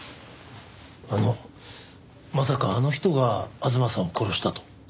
あのまさかあの人が吾妻さんを殺したと？